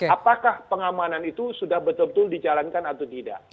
apakah pengamanan itu sudah betul betul dijalankan atau tidak